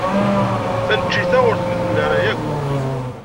Taneččit-a ur tmeddel ara akk.